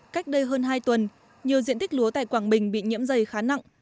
cách đây hơn hai tuần nhiều diện tích lúa tại quảng bình bị nhiễm dày khá nặng